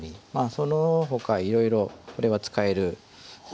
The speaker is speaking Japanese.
そのほかいろいろこれは使えるたれですね。